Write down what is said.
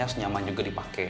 terus nyaman juga dipakai